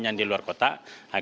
yang di luar kotak